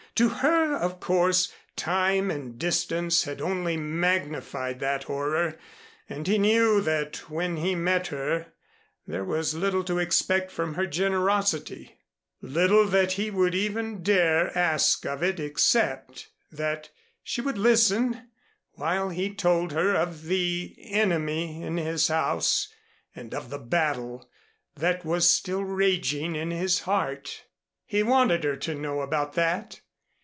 To her, of course, time and distance had only magnified that horror and he knew that when he met her, there was little to expect from her generosity, little that he would even dare ask of it except that she would listen while he told her of the enemy in his house and of the battle that was still raging in his heart. He wanted her to know about that.